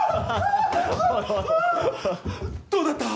どうだった！？